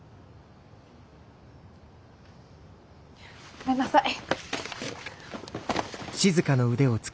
ごめんなさい。